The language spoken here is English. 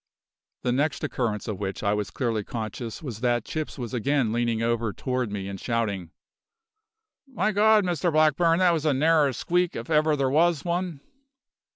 The next occurrence of which I was clearly conscious was that Chips was again leaning over toward me and shouting: "My God! Mr Blackburn, that was a narrer squeak, if ever there was one!